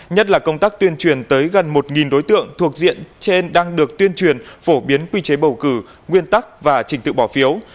nhất là công tác tuyên truyền tới gần một đối tượng thuộc diện trên đang được tuyên truyền phổ biến quy chế bầu cử nguyên tắc và trình tự bỏ phiếu